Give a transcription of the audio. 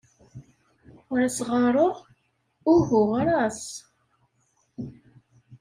Ur as-ɣɣareɣ? Uhu, ɣer-as!